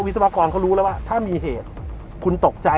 วิศวกรรมเค้ารู้แล้วว่า